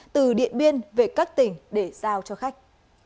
từ điện biên về các tỉnh để giao cho khách